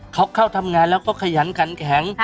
เขาเข้าทำงานแล้วก็ขยันขันแข็ง